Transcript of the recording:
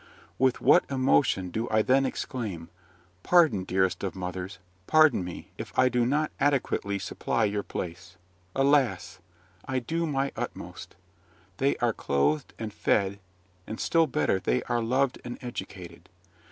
With what emotion do I then exclaim, 'Pardon, dearest of mothers, pardon me, if I do not adequately supply your place! Alas! I do my utmost. They are clothed and fed; and, still better, they are loved and educated.